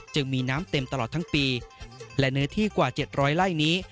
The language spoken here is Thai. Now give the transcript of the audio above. จึงมีน้ำเต็มตลอดทั้งปีและเนื้อที่กว่า๗๐๐ไร่นี้